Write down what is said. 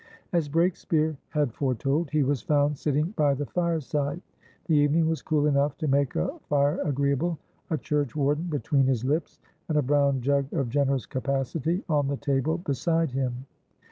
As Breakspeare had foretold, he was found sitting by the firesidethe evening was cool enough to make a fire agreeablea churchwarden between his lips, and a brown jug of generous capacity on the table beside him.